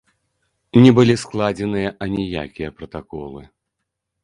Не былі складзеныя аніякія пратаколы.